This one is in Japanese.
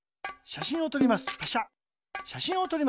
しゃしんをとります。